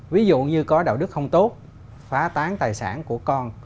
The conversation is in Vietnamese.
ví dụ như có đạo đức không tốt phá tán tài sản của con